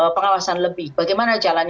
memberi pengawasan lebih memberi pengawasan lebih